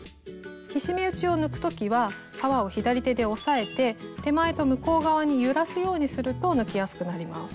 菱目打ちを抜く時は革を左手で押さえて手前と向こう側に揺らすようにすると抜きやすくなります。